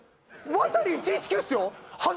ワタリ１１９っすよ